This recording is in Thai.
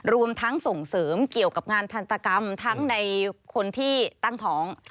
รวมทั้งส่งเสริมเกี่ยวกับงานทันตกรรมทั้งในคนที่ตั้งท้อง